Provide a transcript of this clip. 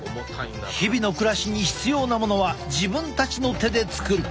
日々の暮らしに必要なものは自分たちの手で作る。